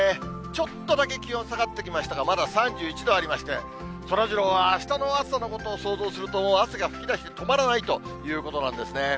ちょっとだけ気温下がってきましたが、まだ３１度ありまして、そらジローはあしたの朝のことを想像すると、汗が噴き出して止まらないということなんですね。